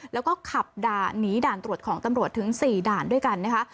แล้วก็ขับหนีด่านตรวจของตำรวจถึง๔ด่านด้วยกันนะคะ